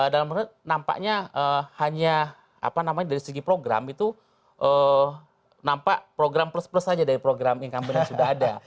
dalam hal nampaknya hanya apa namanya dari segi program itu nampak program plus plus saja dari program incumbent yang sudah ada